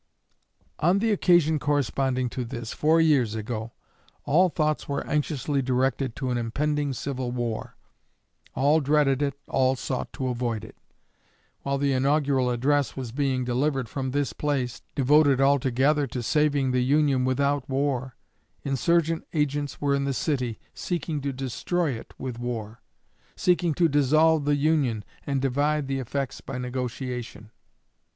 On the occasion corresponding to this, four years ago, all thoughts were anxiously directed to an impending civil war. All dreaded it, all sought to avoid it. While the inaugural address was being delivered from this place, devoted altogether to saving the Union without war, insurgent agents were in the city, seeking to destroy it with war, seeking to dissolve the Union, and divide the effects by negotiation.